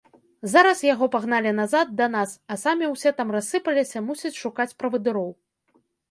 Зараз яго пагналі назад, да нас, а самі ўсе там рассыпаліся, мусіць, шукаць правадыроў.